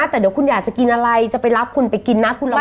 แต่เดี๋ยวคุณอยากจะกินอะไรจะไปรับคุณไปกินนะคุณลอง